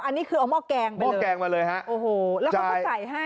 อันนี้คือเอาม่อกแกงไปเลยโอ้โหแล้วเขาก็ใส่ให้